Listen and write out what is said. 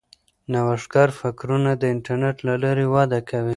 نوښتګر فکرونه د انټرنیټ له لارې وده کوي.